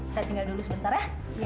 saya tinggal dulu sebentar ya